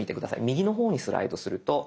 右の方にスライドすると。